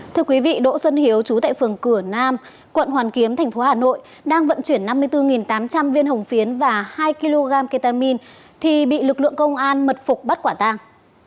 thưa quý vị đỗ xuân hiếu trú tại phường cửa nam quận hoàn kiếm thành phố hà nội đang vận chuyển năm mươi bốn tám trăm linh viên hồng phiến và hai kg ketamine thì bị lực lượng công an mật phục bắt quả tàng